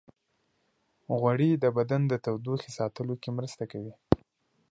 غوړې د بدن د تودوخې ساتلو کې مرسته کوي.